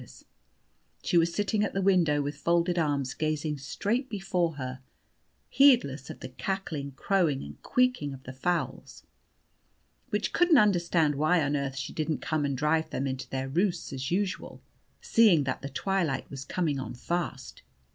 She was sitting at the window with folded arms gazing straight before her, heedless of the cackling, crowing, and queaking of the fowls, which couldn't understand why on earth she didn't come and drive them into their roosts as usual, seeing that the twilight was coming on fast.